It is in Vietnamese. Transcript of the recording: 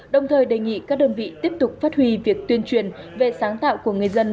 đồng thời đề nghị các đơn vị tiếp tục phát huy việc tuyên truyền về sáng tạo của người dân